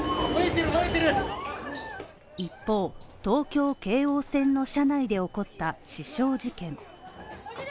一方、東京・京王線の車内で起こった刺傷事件。